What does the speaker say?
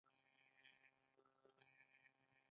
مثانه څه دنده لري؟